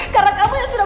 karena kamu yang sudah